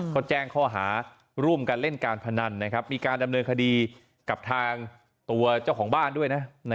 ก็แจ้งข้อหาร่วมกันเล่นการพนันมีการดำเนินคดีกับทางตัวเจ้าของบ้านด้วยนะ